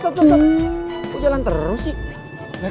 kok jalan terus sih